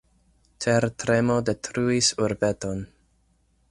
Tertremo detruis urbeton.